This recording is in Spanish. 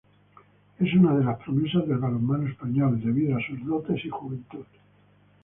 Es una de las promesas del balonmano español, debido a sus dotes y juventud.